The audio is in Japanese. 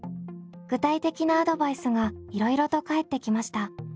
具体的なアドバイスがいろいろと返ってきました。